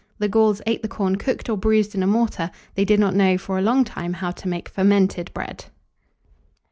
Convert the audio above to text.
The Gauls ate the corn cooked or bruised in a mortar: they did not know, for a long time, how to make fermented bread.